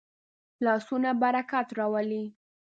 لاسونه برکت راولي